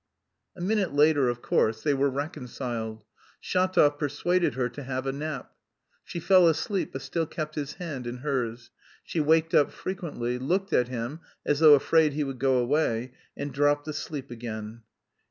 A minute later, of course, they were reconciled. Shatov persuaded her to have a nap. She fell asleep but still kept his hand in hers; she waked up frequently, looked at him, as though afraid he would go away, and dropped asleep again.